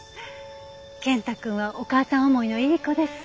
健太くんはお母さん思いのいい子です。